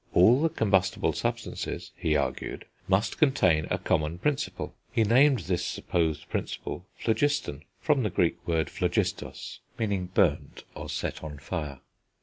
All the combustible substances, he argued, must contain a common principle; he named this supposed principle, phlogiston (from the Greek word phlogistos = burnt, or set on fire).